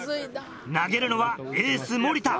投げるのはエース森田。